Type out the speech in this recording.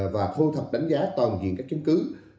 và thu thập đánh giá toàn diện các chứng cứ